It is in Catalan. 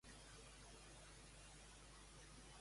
Què va néixer de la serventa unida amb el fal·lus?